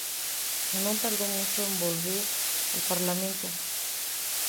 No tardó mucho en volver al Parlamento.